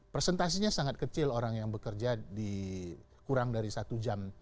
presentasinya sangat kecil orang yang bekerja di kurang dari satu jam